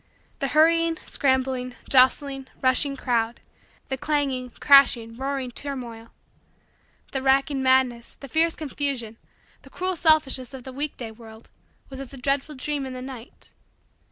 The hurrying, scrambling, jostling, rushing crowd; the clanging, crashing, roaring turmoil; the racking madness, the fierce confusion, the cruel selfishness of the week day world was as a dreadful dream in the night.